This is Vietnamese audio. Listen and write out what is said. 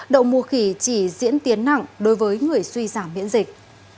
đậu mùa khỉ chỉ diễn tiến nặng đối với người suy giảm miễn dịch